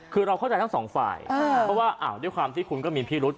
คือเราเข้าใจทั้งสองฝ่ายเพราะว่าด้วยความที่คุณก็มีพิรุษ